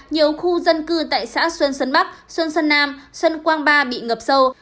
nhiều khu dân cư tại xã xuân xuân bắc xuân xuân nam xuân quang ba bị ngập sâu